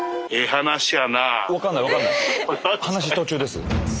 話途中です。